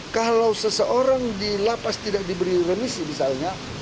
kalau seseorang dilapas tidak diberi remisi misalnya